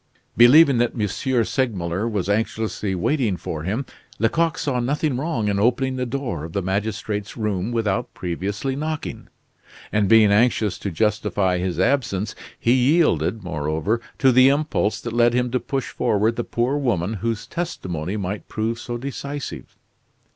Believing that M. Segmuller was anxiously waiting for him, Lecoq saw nothing wrong in opening the door of the magistrate's room without previously knocking; and being anxious to justify his absence, he yielded, moreover, to the impulse that led him to push forward the poor woman whose testimony might prove so decisive.